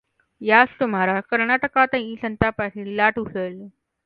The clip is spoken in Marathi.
याच सुमारास कर्नाटकातही संतापाची लाट उसळली.